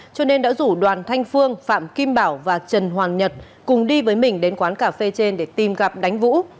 cho nên đã rủ đoàn thanh phương phạm kim bảo và trần hoàng nhật cùng đi với mình đến quán cà phê trên để tìm gặp đánh vũ